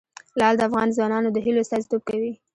لعل د افغان ځوانانو د هیلو استازیتوب کوي.